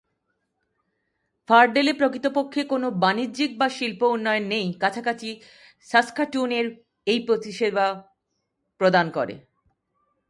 ফারডেলে প্রকৃতপক্ষে কোন বাণিজ্যিক বা শিল্প উন্নয়ন নেই, কাছাকাছি সাস্কাটুন এই পরিষেবা প্রদান করে।